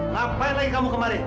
ngapain lagi kamu kemari